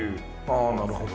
ああなるほど。